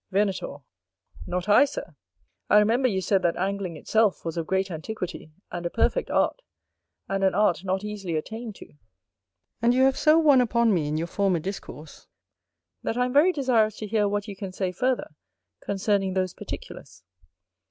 Venator. Not I, Sir: I remember you said that Angling itself was of great antiquity, and a perfect art, and an art not easily attained to; and you have so won upon me in your former discourse, that I am very desirous to hear what you can say further concerning those particulars.